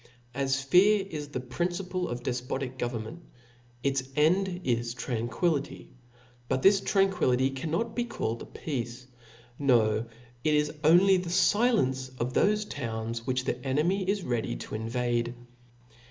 As fear is the principle of defpotic government, its end is tranquillity : but this tranquillity cannot be called a pe^ce ^ no, it is only the filence of thofe towns which the enemy is ready to invade.